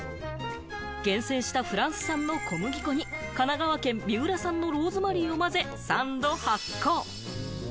厳選したフランス産の小麦粉に神奈川県三浦産のローズマリーを混ぜ、３度発酵。